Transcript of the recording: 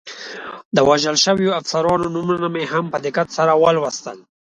د وژل شویو افسرانو نومونه مې هم په دقت سره ولوستل.